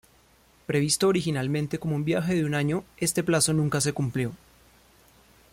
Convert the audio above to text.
Previsto originalmente como un viaje de un año este plazo nunca se cumplió.